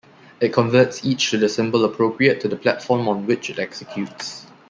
It converts each to the symbol appropriate to the platform on which it executes.